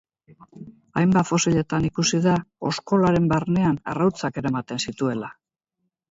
Hainbat fosiletan ikusi da oskolaren barnean arrautzak eramaten zituela.